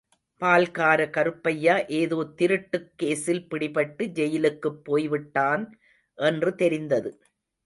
பால்கார கருப்பையா ஏதோ திருட்டுக் கேசில் பிடிபட்டு ஜெயிலுக்குப் போய்விட்டான் என்று தெரிந்தது.